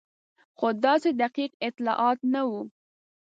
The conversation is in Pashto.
خو داسې دقیق اطلاعات نه وو.